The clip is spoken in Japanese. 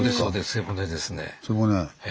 背骨。